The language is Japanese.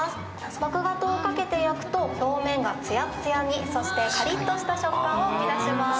麦芽糖をかけて焼くと表面がつやつやにそしてカリッとした食感を生み出します。